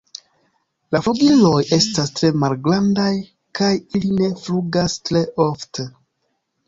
La flugiloj estas tre malgrandaj kaj ili ne flugas tre ofte.